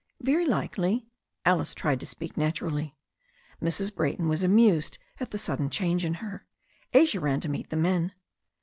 "Very likely." Alice tried to speak naturally. Mrs. Brayton was amused at the sudden change in her. Asia ran to meet the men.